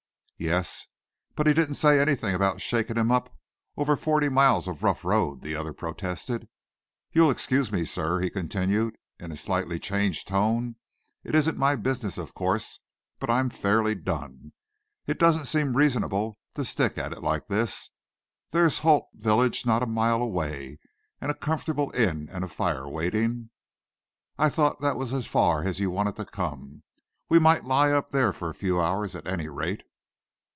"Yes, but he didn't say anything about shaking him up over forty miles of rough road," the other protested. "You'll excuse me, sir," he continued, in a slightly changed tone; "it isn't my business, of course, but I'm fairly done. It don't seem reasonable to stick at it like this. There's Holt village not a mile away, and a comfortable inn and a fire waiting. I thought that was as far as you wanted to come. We might lie up there for a few hours, at any rate."